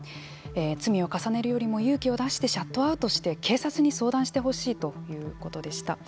罪を重ねるよりも勇気を出してシャットアウトして警察に相談してほしいということでした。